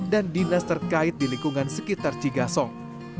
dan dinas terkait di lingkungan sekitar cigasong